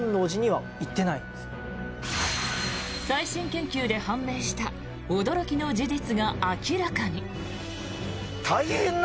最新研究で判明した驚きの事実が明らかに！